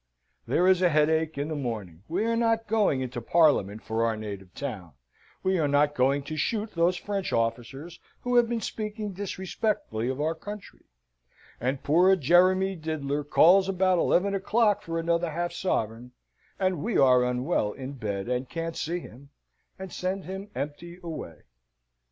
There is a headache in the morning; we are not going into Parliament for our native town; we are not going to shoot those French officers who have been speaking disrespectfully of our country; and poor Jeremy Diddler calls about eleven o'clock for another half sovereign, and we are unwell in bed, and can't see him, and send him empty away.